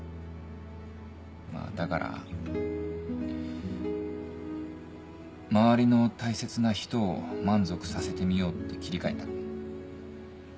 まぁだから周りの大切な人を満足させてみようって切り替えた。